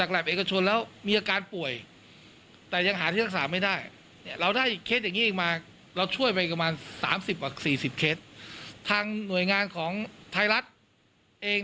เราช่วยไปกระมาณสามสิบกว่าสี่สิบเคสทางหน่วยงานของไทยรัฐเอง